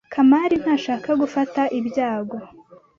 Kamari ntashaka gufata ibyago.